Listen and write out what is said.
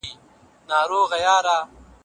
هغه په ټولنه د انتقادي روحيه بنسټ کیښود.